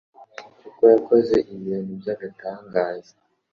kuko yakoze ibintu by’agatangaza